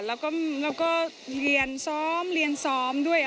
แล้วก็เรียนซ้อมด้วย